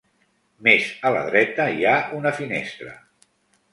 Més a la dreta hi ha una finestra.